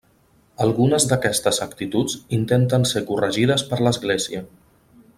Algunes d’aquestes actituds intenten ser corregides per l’església.